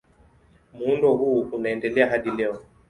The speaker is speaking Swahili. Muundo huu unaendelea hadi leo.